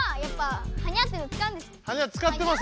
「はにゃ」使ってます？